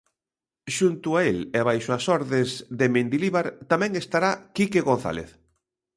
Xunto a el, e baixo as ordes de Mendilibar, tamén estará Quique González.